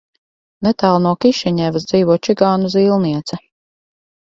Netālu no Kišiņevas dzīvo čigānu zīlniece.